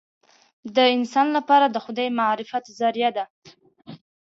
د انسان لپاره د خدای د معرفت ذریعه ده.